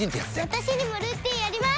私にもルーティンあります！